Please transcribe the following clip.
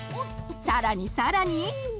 さらにさらに！